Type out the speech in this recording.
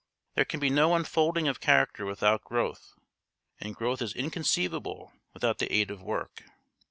There can be no unfolding of character without growth, and growth is inconceivable without the aid of work.